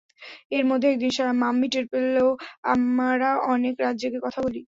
এরমধ্যে একদিন মাম্মি টের পেল আমরা অনেক রাত জেগে কথা বলি।